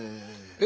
え？